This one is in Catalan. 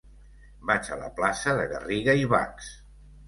Vaig a la plaça de Garriga i Bachs.